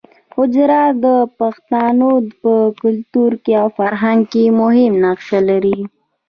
حجره د پښتانو په کلتور او فرهنګ کې مهم نقش لري